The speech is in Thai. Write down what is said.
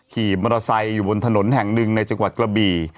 ขี่มอเตอร์ไซค์อยู่บนถนนแห่งหนึ่งในจังหวัดกระบี่